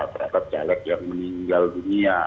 terhadap caleg yang meninggal dunia